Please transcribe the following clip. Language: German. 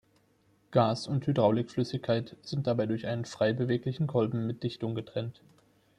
Gas und Hydraulikflüssigkeit sind dabei durch einen frei beweglichen Kolben mit Dichtung getrennt.